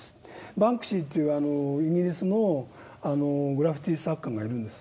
バンクシーというイギリスのグラフィティ作家がいるんです。